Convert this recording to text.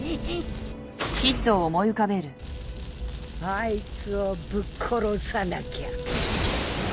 あいつをぶっ殺さなきゃ。